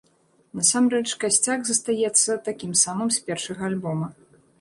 Насамрэч, касцяк застаецца такім самым з першага альбома.